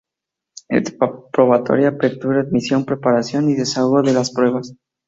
Etapa probatoria; apertura, admisión, preparación y desahogo de las pruebas.